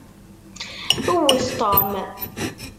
Wwet Tom.